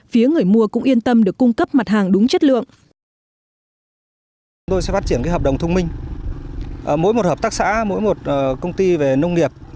phía người mua cũng yên tâm được cung cấp mặt hàng đúng chất lượng